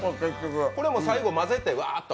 これも最後、まぜてわーっと？